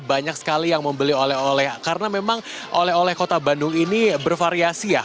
banyak sekali yang membeli oleh oleh karena memang oleh oleh kota bandung ini bervariasi ya